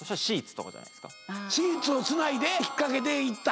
シーツをつないで引っかけて行った。